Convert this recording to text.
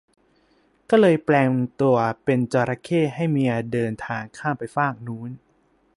ก็เลยแปลงตัวเป็นจระเข้ให้เมียเดินทางข้ามไปฟากนู้น